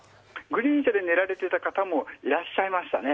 グリーン車で寝られていた方もいらっしゃいましたね。